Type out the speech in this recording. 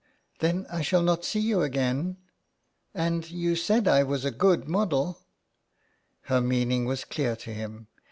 " Then I shall not see you again, .,. and you said I was a good model." Her meaning was clear to him.